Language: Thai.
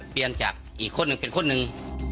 เปลี่ยนจากอีกคนหนึ่งเป็นคนหนึ่ง